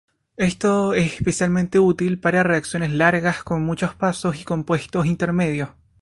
Esto es especialmente útil para reacciones largas con muchos pasos y compuestos intermedios.